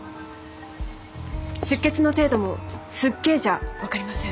出血の程度も「すっげえ」じゃ分かりません。